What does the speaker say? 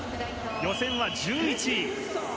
予選は１１位。